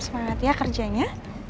semangat ya kerjanya